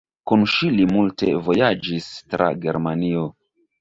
Kun ŝi li multe vojaĝis tra Germanio.